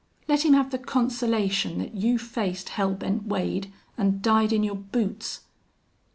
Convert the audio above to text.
Let him have the consolation that you faced Hell Bent Wade an' died in your boots!"